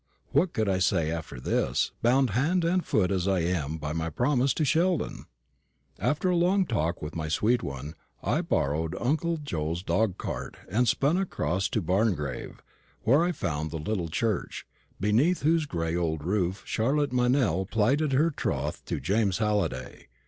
What could I say after this bound hand and foot as I am by my promise to Sheldon? After a long talk with my sweet one, I borrowed uncle Joe's dog cart, and spun across to Barngrave, where I found the little church, beneath whose gray old roof Charlotte Meynell plighted her troth to James Halliday.